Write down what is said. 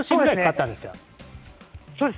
そうです。